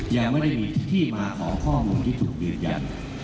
ยังไม่ได้มีที่มาของข้อมูลที่ถูกยืนยัน